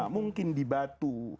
mungkin di batu